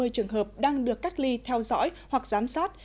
trường hợp đang được cách ly theo dõi hoặc giám sát